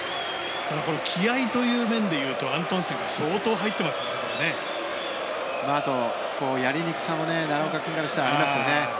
気合という面でいうとアントンセンはやりにくさも奈良岡君からしたらありますよね。